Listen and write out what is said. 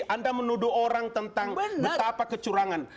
anda menuduh orang tentang betapa kecurangan